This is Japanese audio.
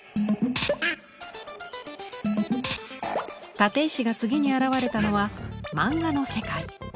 立石が次に現れたのはマンガの世界。